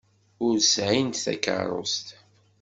Ur sɛint takeṛṛust.